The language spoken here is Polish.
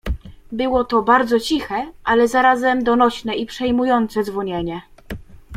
"Było to bardzo ciche, ale zarazem donośne i przejmujące dzwonienie."